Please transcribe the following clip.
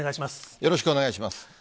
よろしくお願いします。